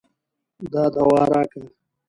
دا دوا راکه.